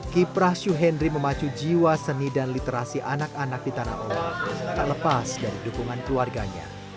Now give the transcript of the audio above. kiprah syuhendri memacu jiwa seni dan literasi anak anak di tanah owa tak lepas dari dukungan keluarganya